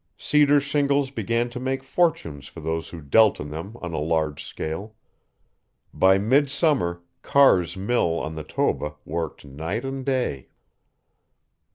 Cedar shingles began to make fortunes for those who dealt in them on a large scale. By midsummer Carr's mill on the Toba worked night and day.